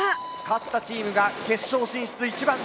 勝ったチームが決勝進出一番乗り。